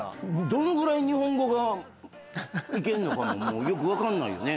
どのぐらい日本語がいけんのかももうよく分かんないよね。